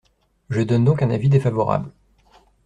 Je donne donc un avis défavorable.